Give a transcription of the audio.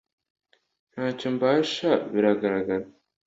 Ntacyo mbasha biragaragara